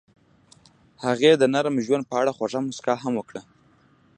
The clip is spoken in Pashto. هغې د نرم ژوند په اړه خوږه موسکا هم وکړه.